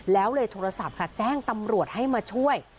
แล้วเลยโทรศัพท์ค่ะแจ้งตำรวจให้มาช่วย